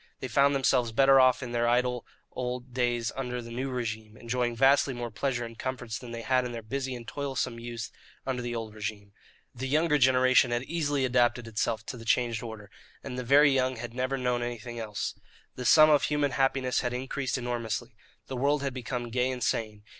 They found themselves better off in their idle old days under the new regime, enjoying vastly more pleasure and comforts than they had in their busy and toilsome youth under the old regime. The younger generation had easily adapted itself too the changed order, and the very young had never known anything else. The sum of human happiness had increased enormously. The world had become gay and sane.